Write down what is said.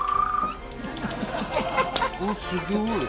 おっすごい。